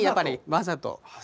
わざと。